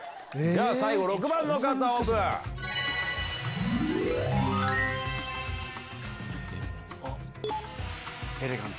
じゃあ最後、６番の方オープン。